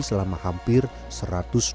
terbayang juri payah merawat tanaman padi